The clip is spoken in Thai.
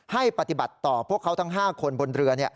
ให้ปฏิบัติต่อพวกเขาทั้ง๕คนบนเรือ